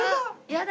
やだ